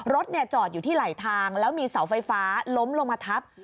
รถจอดอยู่ที่ไหลทางแล้วมีเสาไฟฟ้าล้มลงมาทับ